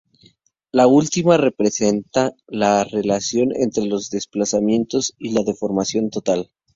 La última representa la relación entre los desplazamientos y la deformación total.